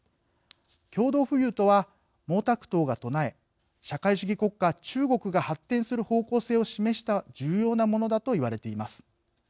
共同富裕とは、毛沢東が唱え社会主義国家、中国が発展する方向性を示した重要なものだと言われています。